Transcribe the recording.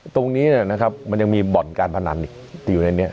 ตรงนี้นะครับมันยังมีบ่อนการพนันอีกอยู่ในนี้